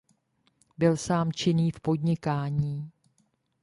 Byl sám činný v podnikání.